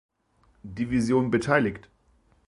Division beteiligt.